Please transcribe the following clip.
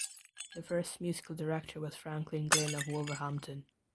The first musical director was Franklyn Glynn of Wolverhampton.